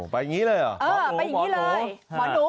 ไปอย่างงี้เลยเหรอหมอหนูหมอหนู